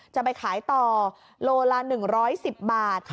จะไปขายต่อโลละ๑๑๐บาท